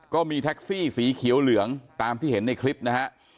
ก็มีแท็กซี่สีเขียวเหลืองตามที่เห็นในคลิปนะฮะ